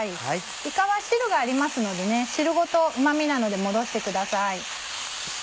いかは汁がありますので汁ごとうま味なので戻してください。